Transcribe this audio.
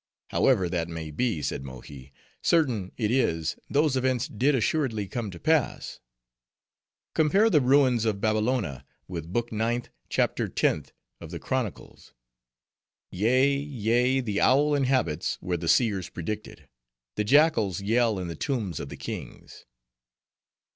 "However that may be," said Mohi, "certain it is, those events did assuredly come to pass:—Compare the ruins of Babbelona with book ninth, chapter tenth, of the chronicles. Yea, yea, the owl inhabits where the seers predicted; the jackals yell in the tombs of the kings."